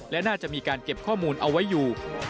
และน่าจะมีการเก็บข้อมูลเอาไว้อยู่